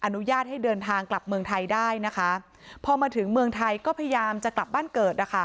อนุญาตให้เดินทางกลับเมืองไทยได้นะคะพอมาถึงเมืองไทยก็พยายามจะกลับบ้านเกิดนะคะ